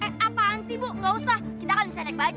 eh apaan sih bu gak usah kita kan bisa naik